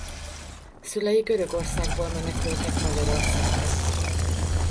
Szülei Görögországból menekültek Magyarországra.